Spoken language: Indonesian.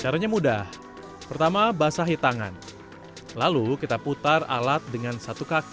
caranya mudah pertama basahi tangan lalu kita putar alat dengan satu kaki